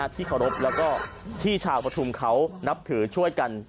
ที่เคารพแล้วก็ที่ชาวประทุมเขานับถือช่วยกัน